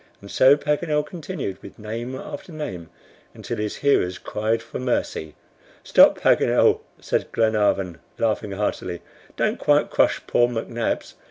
And so Paganel continued with name after name until his hearers cried for mercy. "Stop, Paganel," said Glenarvan, laughing heartily, "don't quite crush poor McNabbs.